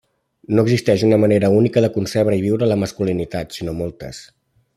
No existeix una manera única de concebre i viure la masculinitat, sinó moltes.